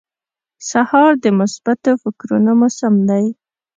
سهار د مثبتو فکرونو موسم دی.